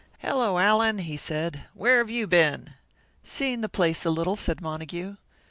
"Hello, Allan," he said. "Where have you been?" "Seeing the place a little," said Montague.